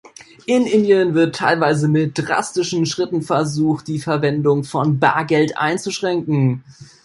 In Indien wird teilweise mit drastischen Schritten versucht, die Verwendung von Bargeld einzuschränken.